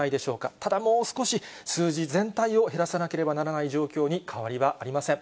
ただもう少し、数字全体を減らさなければならない状況に変わりはありません。